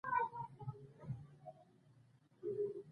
دوی د خامو موادو واردولو ته اړتیا لري